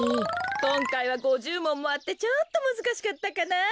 こんかいは５０もんもあってちょっとむずかしかったかな？